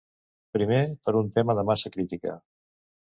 Primer, per un tema de massa crítica.